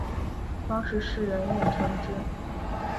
当时世人艳称之。